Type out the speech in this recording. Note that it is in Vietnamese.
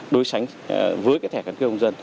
đối sánh với cái thẻ căn cấp công dân